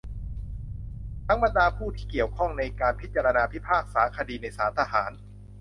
ทั้งบรรดาผู้ที่เกี่ยวข้องในการพิจารณาพิพากษาคดีในศาลทหาร